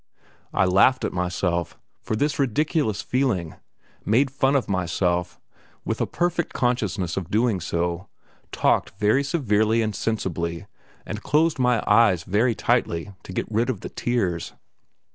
I laughed at myself, for this ridiculous feeling, made fun of myself, with a perfect consciousness of doing so, talked very severely and sensibly, and closed my eyes very tightly to get rid of the tears.